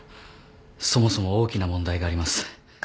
そもそも大きな問題があります。